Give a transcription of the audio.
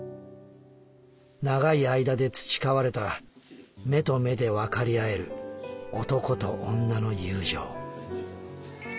長い間で培われた目と目でわかり合える男と女の友情」。